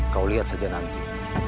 kau lihat saja nanti